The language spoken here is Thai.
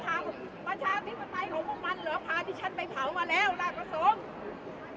ประชาธิปไตยของพวกมันเหรอพาที่ฉันไปเผามาแล้วราชประสงค์